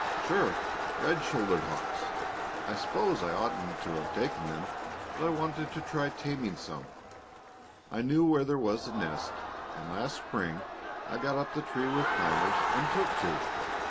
"Sure. Red shouldered hawks. I s'pose I oughtn't to have taken them, but I wanted to try taming some. I knew where there was a nest, and last spring I got up the tree with climbers and took two.